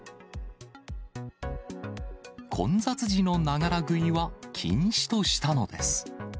混雑時のながら食いは禁止としたのです。